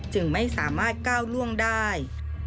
จึงไม่สามารถก้าวล่วงได้